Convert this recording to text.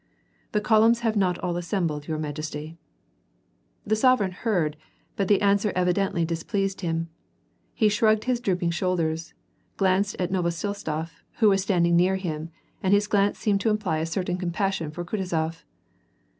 " The columns have not all assembled, your majesty." The sovereign heard, but the answer evidently displeased him; he shrugged his drooping shoulders, glanced at Novo siltsof who was standing near him, and his glance seemed to imply a certain compassion for Kutuzof.